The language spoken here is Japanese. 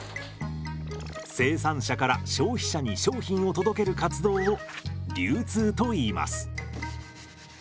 生産者から消費者に商品を届ける活動を流通といいます。